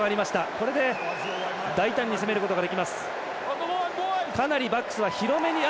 これで大胆に攻めることができます。